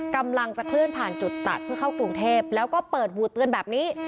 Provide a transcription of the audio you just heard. กำลังจะเคลื่อนผ่านจุดตัดเพื่อเข้ากรุงเทพแล้วก็เปิดหูเตือนแบบนี้